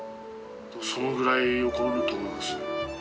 そのぐらい怒ると思いますね